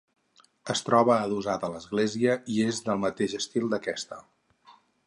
Es troba adossada a l'església i és del mateix estil d'aquesta.